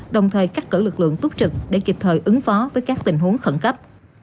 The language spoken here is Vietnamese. đồng thời cắt cử lực lượng túc trực để kịp thời ứng phó với các tình huống khẩn cấp